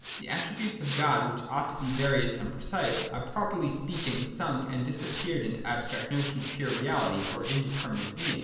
(c) The attributes of God which ought to be various and precise, had, properly speaking, sunk and disap peared in the abstract notion of pure reality, of indeter minate Being.